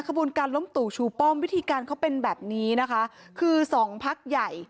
ขบวนการล้มตู่ชูป้อมวิธีการเขาเป็นแบบนี้นะคะคือสองพักใหญ่